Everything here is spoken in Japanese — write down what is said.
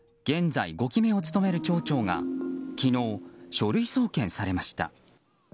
現在５期目を務める町長が昨日、書類送検されました。